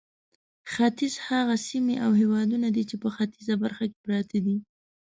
ختیځ هغه سیمې او هېوادونه دي چې په ختیځه برخه کې پراته دي.